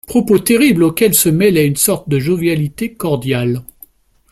Propos terribles auxquels se mêlait une sorte de jovialité cordiale.